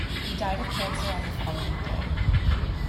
He died of cancer on the following day.